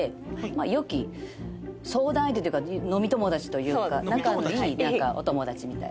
良き相談相手というか飲み友達というか仲のいいお友達みたいな感じです。